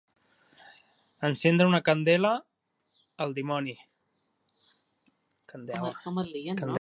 Encendre una candela al dimoni.